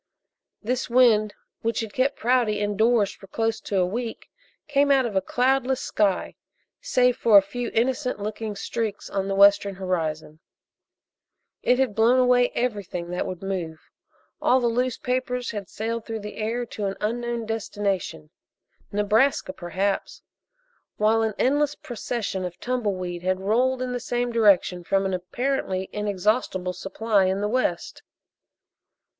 This wind which had kept Prouty indoors for close to a week came out of a cloudless sky, save for a few innocent looking streaks on the western horizon. It had blown away everything that would move. All the loose papers had sailed through the air to an unknown destination Nebraska, perhaps while an endless procession of tumble weed had rolled in the same direction from an apparently inexhaustible supply in the west.